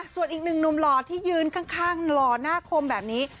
ส่วนอีกหนึ่งหนุ่มหล่อที่ยืนข้างหล่อหน้าคมแบบนี้